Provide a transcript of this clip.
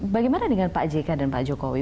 bagaimana dengan pak jk dan pak jokowi